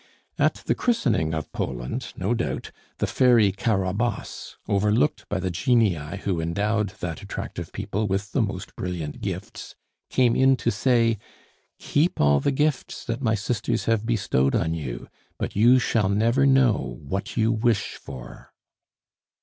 At the christening of Poland, no doubt, the Fairy Carabosse, overlooked by the genii who endowed that attractive people with the most brilliant gifts, came in to say: "Keep all the gifts that my sisters have bestowed on you; but you shall never know what you wish for!"